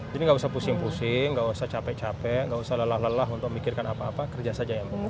jadi nggak usah pusing pusing nggak usah capek capek nggak usah lelah lelah untuk mikirkan apa apa kerja saja yang penting